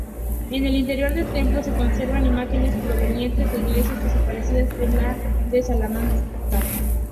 En el interior del templo se conservan imágenes provenientes de iglesias desaparecidas de Salamanca.